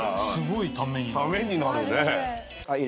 ためになるね。